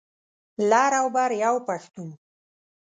لر او بر یو پښتون.